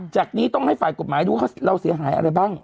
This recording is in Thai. จากนี้ต้องให้ฝ่ายกฎหมายดูว่าเราเสียหายอะไรบ้าง